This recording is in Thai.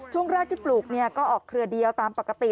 ช่วงแรกที่ปลูกก็ออกเครือเดียวตามปกติ